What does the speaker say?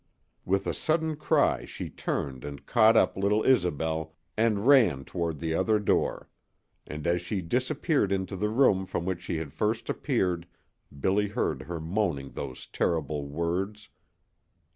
With a sudden cry she turned and caught up little Isobel and ran toward the other door. And as she disappeared into the room from which she had first appeared Billy heard her moaning those terrible words.